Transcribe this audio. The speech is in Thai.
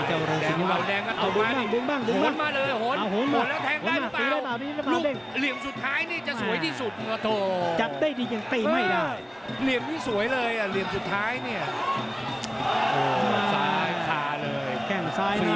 แถวนี้แววแดงก็ตอบบุญบ้าง